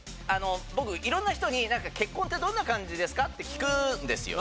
僕色んな人に結婚ってどんな感じですか？って聞くんですよ。